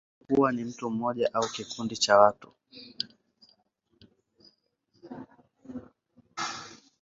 Wahusika wa nyimbo huwa ni mtu mmoja au kikundi cha watu.